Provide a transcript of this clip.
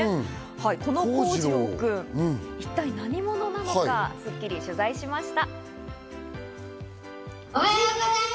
このコウジロウ君、一体何者なのか、『スッキリ』が取材しました。